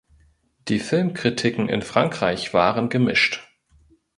Die Filmkritiken in Frankreich waren gemischt.